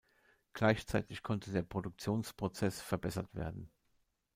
Gleichzeitig konnte der Produktionsprozess verbessert werden.